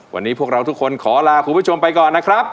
วันนี้พวกเราทุกคนขอลาคุณผู้ชมไปก่อนนะครับ